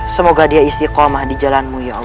semoga dia istiqomah di jalanmu ya allah